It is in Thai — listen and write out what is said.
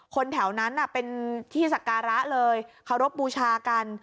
คนแถวนั้นเป็นที่สักการะเลยเคารพบูชากัน